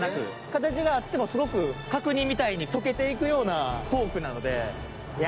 形があってもすごく角煮みたいに溶けていくようなポークなので。